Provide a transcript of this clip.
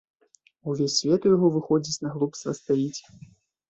Увесь свет у яго, выходзіць, на глупстве стаіць.